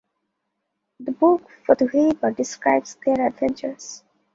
The book, "Fatu Hiva", describes their adventures.